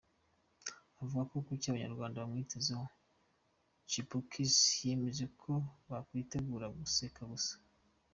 Avuga kucyo abanyarwanda bamwitegaho , Chipukizzy yemeje ko bakwitegura guseka gusa.